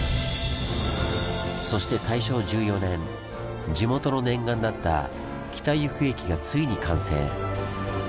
そして大正１４年地元の念願だった北由布駅がついに完成。